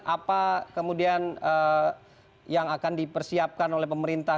apa kemudian yang akan dipersiapkan oleh pemerintah